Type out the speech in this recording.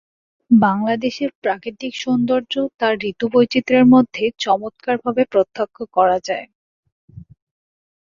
বাংলাদেশের প্রাকৃতিক সৌন্দর্য তার ঋতুবৈচিত্রের মধ্যে চমৎকারভাবে প্রত্যক্ষ করা যায়।